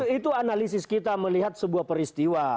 itu analisis kita melihat sebuah peristiwa